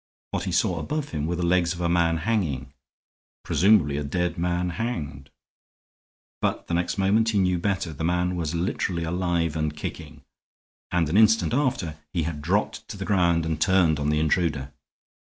What he saw above him were the legs of a man hanging, presumably a dead man hanged. But the next moment he knew better. The man was literally alive and kicking; and an instant after he had dropped to the ground and turned on the intruder.